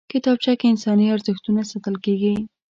کتابچه کې انساني ارزښتونه ساتل کېږي